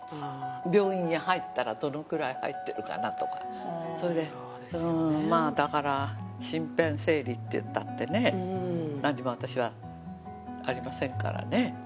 病院へ入ったらどのくらい入ってるかなとかそれでうーんまあだから身辺整理っていったってね何も私はありませんからね